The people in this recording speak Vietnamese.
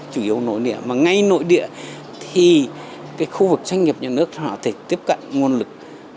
chủ yếu nội địa mà ngay nội địa thì khu vực doanh nghiệp nhà nước họ thể tiếp cận nguồn lực